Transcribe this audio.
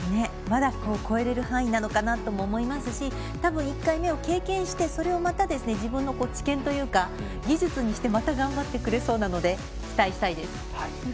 まだ超えられる範囲なのかなと思いますし多分、１回目を経験してそれをまた自分の知見というか技術にしてまた頑張ってくれそうなので期待したいです。